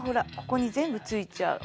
ここに全部ついちゃう